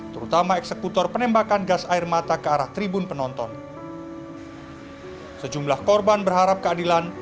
terutama eksekutor penembakan gas air mata ke arah tribun penonton sejumlah korban berharap keadilan